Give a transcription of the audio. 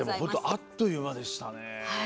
あっという間でしたね。